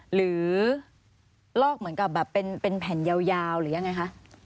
ลอกเหมือนกับแบบเป็นแผ่นยาวหรือยังไงคะ